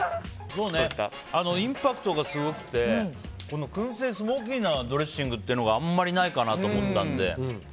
インパクトがすごくてこの燻製、スモーキーなドレッシングというのがあんまりないかなと思ったので。